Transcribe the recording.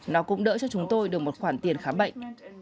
nó cũng đỡ cho chúng tôi được một khoản tiền khám bệnh